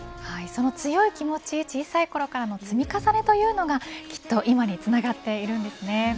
その強い気持ち小さいころからの積み重ねというのがきっと今にそうですね。